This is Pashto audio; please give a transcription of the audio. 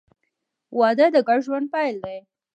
• واده د ګډ ژوند پیل دی.